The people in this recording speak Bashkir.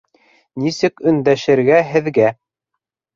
Нисек өндәшергә һеҙгә?